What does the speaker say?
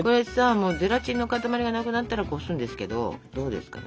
ゼラチンの塊がなくなったらこすんですけどどうですかね？